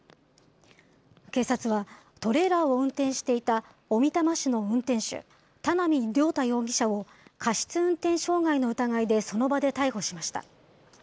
警察は、トレーラーを運転していた小美玉市の運転手、田名見良太容疑者を、過失運転傷害の疑いでその場で逮捕しました。